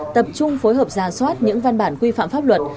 tập trung phối hợp ra soát những văn bản quy phạm pháp luật